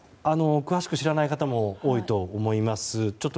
詳しく知らない方も多いと思います。